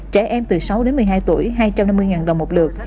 trẻ em từ sáu đến một mươi hai tuổi hai trăm năm mươi đồng một lượt